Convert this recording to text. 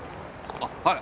あっはい。